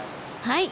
はい！